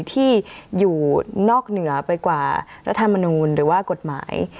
ที่อยู่นอกเหนือไปกว่ารัฐธรรมนูลหรือว่ากฎหมาย